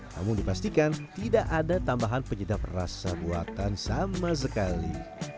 namun dipastikan tidak ada tambahan penyedap rasa buatan sama sekali